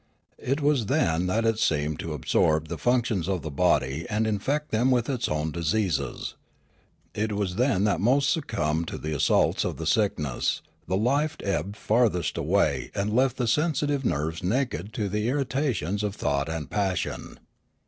It was then that it seemed to absorb the functions of the body and infect them with its own diseases. It was then that most succumbed to the assaults of sickness, the life ebbed farthest away The Church and Journalism 95 and left the sensitive nerves naked to the irritations of thought and passion.